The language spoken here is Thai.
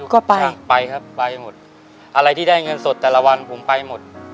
ก็ไปไปครับไปหมดอะไรที่ได้เงินสดแต่ละวันผมไปหมด